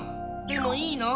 でもいいの？